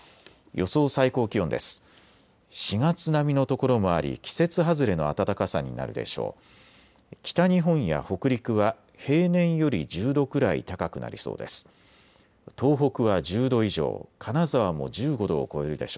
予想最高気温です。